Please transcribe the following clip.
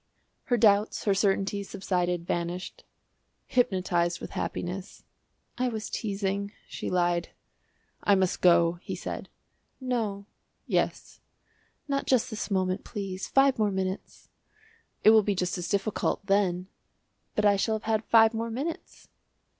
Her doubts, her certainties, subsided, vanished hypnotised with happiness. "I was teasing," she lied. "I must go," he said. "No." "Yes." "Not just this moment, please; five more minutes." "It will be just as difficult then." "But I shall have had five more minutes."